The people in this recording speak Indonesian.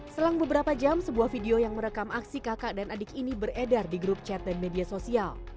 selang beberapa jam sebuah video yang merekam aksi kakak dan adik ini beredar di grup chat dan media sosial